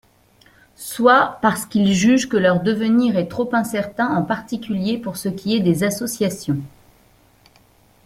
Soit parce qu’ils jugent que leur devenir est trop incertain, en particulier pour ce qui est des associations.